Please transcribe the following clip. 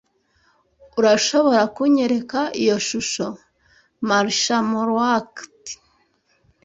Urashobora kunyereka iyo shusho? (marshmallowcat)